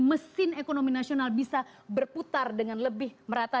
mesin ekonomi nasional bisa berputar dengan lebih merata